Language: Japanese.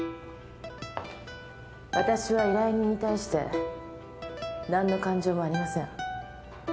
わたしは依頼人に対して何の感情もありません。